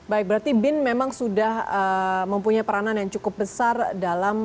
baik berarti bin memang sudah mempunyai peranan yang cukup besar dalam